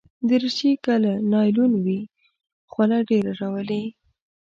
دریشي که له نایلون وي، خوله ډېره راولي.